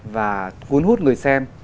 và cuốn hút người xem